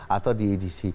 atau di dc